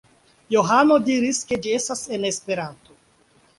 Johano diris, ke ĝi estas en Esperanto.